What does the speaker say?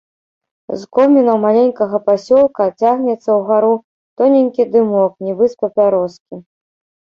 З комінаў маленькага пасёлка цягнецца ўгару тоненькі дымок, нібы з папяроскі.